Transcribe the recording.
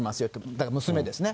だから娘ですね。